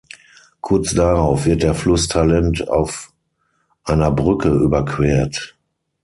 Kurz darauf wird der Fluss Talent auf einer Brücke überquert.